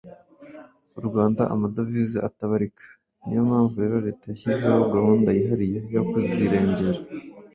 u Rwanda amadovize atabarika. Ni yo mpamvu rero Leta yashyizeho gahunda yihariye yo kuzirengera.